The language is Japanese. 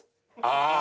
ああ